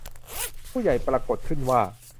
ผู้ใหญ่ปรารภขึ้นว่า